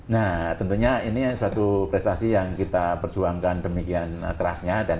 nah tentunya ini suatu prestasi yang kita perjuangkan demikian kerasnya